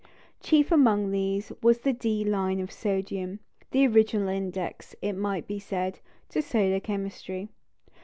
Chief among these was the D line of sodium, the original index, it might be said, to solar chemistry.